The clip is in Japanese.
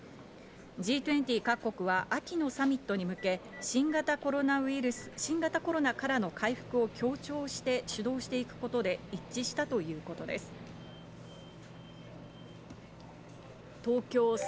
Ｇ２０各国は秋のサミットに向け、新型コロナからの回復を協調して主導していくことで一致したということです。